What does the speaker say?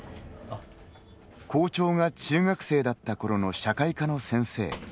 校長が中学生だったころの社会科の先生